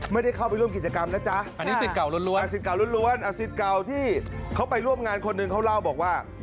ไม่ได้เข้าไปร่วมกิจกรรมนะจ๊ะอันนี้ศิษย์เก่าล้วนศิษย์เก่าที่เขาไปร่วมงานคนหนึ่งเขาเล่าบอกว่า